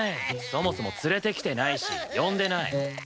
そもそも連れてきてないし呼んでない。